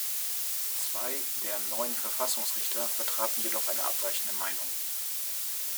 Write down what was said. Zwei der neun Verfassungsrichter vertraten jedoch eine abweichende Meinung.